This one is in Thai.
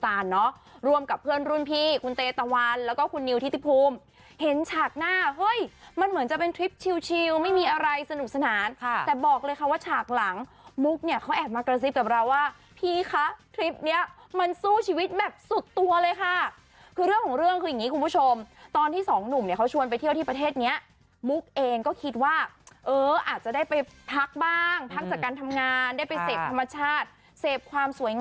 ประเทศพูตานเนาะรวมกับเพื่อนรุ่นพี่คุณเต๊ตะวันแล้วก็คุณนิวทิศิภูมิเห็นฉากหน้าเฮ้ยมันเหมือนจะเป็นทริปชิวไม่มีอะไรสนุกสนานแต่บอกเลยค่ะว่าฉากหลังมุกเนี่ยเขาแอบมากระซิบกับเราว่าพี่คะทริปเนี่ยมันสู้ชีวิตแบบสุดตัวเลยค่ะคือเรื่องของเรื่องคืออย่างงี้คุณผู้ชมตอนที่สองหนุ่มเนี่ยเขาชว